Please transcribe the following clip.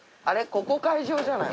ここ会場じゃない？